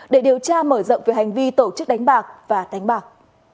để điều tra mở rộng về hành vi tổ chức đánh bạc và đánh bạc